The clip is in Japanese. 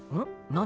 何？